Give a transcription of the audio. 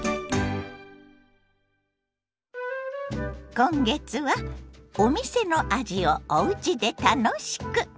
今月はお店の味をおうちで楽しく。